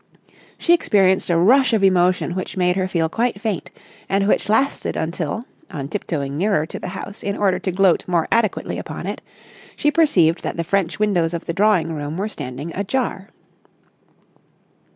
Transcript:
She experienced a rush of emotion which made her feel quite faint, and which lasted until, on tiptoeing nearer to the house in order to gloat more adequately upon it, she perceived that the French windows of the drawing room were standing ajar.